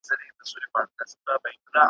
چي پر چا د نعمتونو باران اوري ,